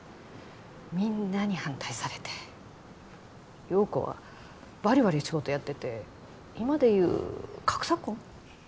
みんなに反対されて陽子はバリバリ仕事やってて今で言う格差婚？